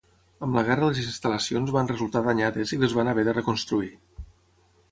Amb la guerra les instal·lacions van resultar danyades i les van haver de reconstruir.